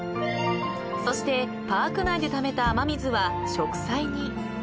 ［そしてパーク内でためた雨水は植栽に］